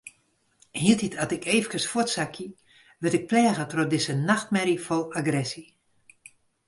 Hieltyd as ik eefkes fuortsakje, wurd ik pleage troch dizze nachtmerje fol agresje.